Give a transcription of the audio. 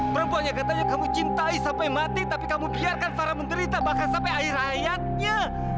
perempuannya katanya kamu cintai sampai mati tapi kamu biarkan farah menderita bahkan sampai air hayatnya